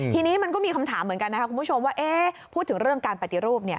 ทีนี้มันก็มีคำถามเหมือนกันนะครับคุณผู้ชมว่าพูดถึงเรื่องการปฏิรูป